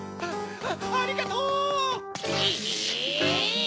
ありがとう！えい！